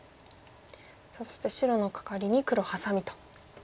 そして白のカカリに黒ハサミと。